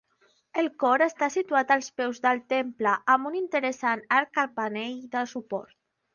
El cor està situat als peus del temple, amb un interessant arc carpanell de suport.